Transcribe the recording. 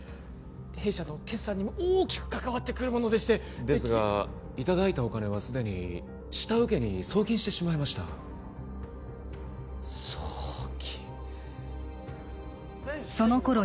弊社の決算にも大きくかかわってくるものでしてですがいただいたお金はすでに下請けに送金してしまいました送金そのころ